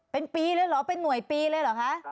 เป็นปีหรือเป็นหน่วยปีเลยหรือคะ